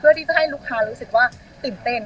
เพื่อที่จะให้ลูกค้ารู้สึกว่าตื่นเต้น